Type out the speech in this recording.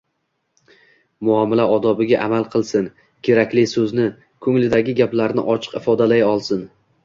muomala odobiga amal qilsin, kerakli so‘zni, ko‘nglidagi gaplarni ochiq ifodalay olsin.